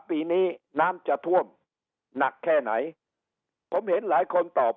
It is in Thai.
ปีนี้น้ำจะท่วมหนักแค่ไหนผมเห็นหลายคนตอบ